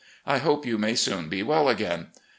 I hope you may soon be well again. .